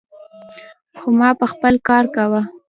خو ما به خپل کار کاوه.